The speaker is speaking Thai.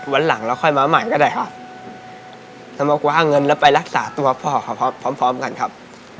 วันหลังเราค่อยมาใหม่ก็ได้ครับถ้ามากว่าเงินแล้วไปรักษาตัวพ่อเขาพร้อมพร้อมกันครับ